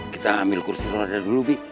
kita ambil kursi roda dulu bi